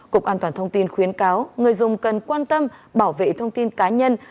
cục an toàn thông tin khuyến cáo người dùng cần quan tâm bảo vệ thông tin cá nhân